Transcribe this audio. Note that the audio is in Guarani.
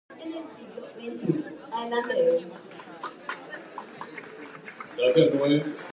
¡Ha nde ekirirĩ upépe!